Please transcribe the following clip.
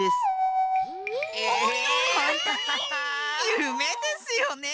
ゆめですよね。